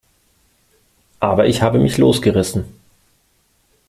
Aber ich habe mich losgerissen.